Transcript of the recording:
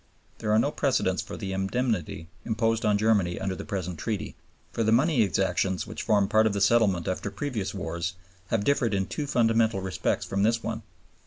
There are no precedents for the indemnity imposed on Germany under the present Treaty; for the money exactions which formed part of the settlement after previous wars have differed in two fundamental respects from this one.